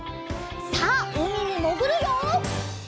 さあうみにもぐるよ！